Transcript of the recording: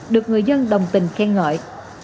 được người dân đồng tình khen ngợi